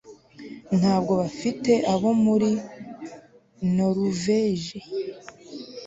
Ntabwo bafite abo muri Noruveje